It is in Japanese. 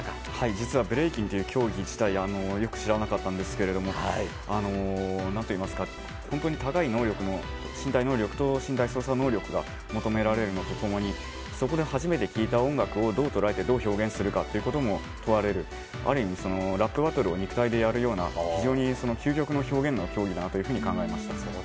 実はブレイキンという競技自体よく知らなかったんですが本当に高い身体能力と身体操作能力が求められるのと共にそこで初めて聴いた音楽をどう捉えて、どう表現するかが問われる、ある意味ラップバトルを肉体でやるような非常に究極の表現の競技だなと感じました。